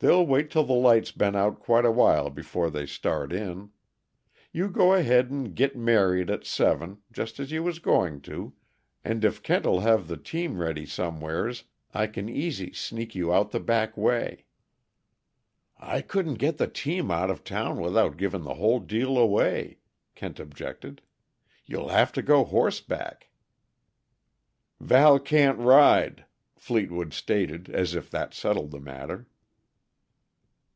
They'll wait till the light's been out quite a while before they start in. You go ahead and git married at seven, jest as you was going to and if Kent'll have the team ready somewheres, I can easy sneak you out the back way." "I couldn't get the team out of town without giving the whole deal away," Kent objected. "You'll have to go horseback.". "Val can't ride," Fleetwood stated, as if that settled the matter.